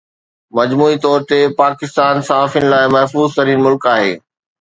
مجموعي طور پاڪستان صحافين لاءِ محفوظ ترين ملڪ آهي